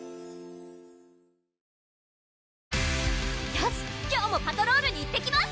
よし今日もパトロールに行ってきます